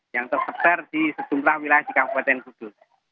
yang tersebar di sejumlah wilayah di kabupaten kudus